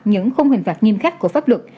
những khung hình phạt nghiêm khắc của pháp luật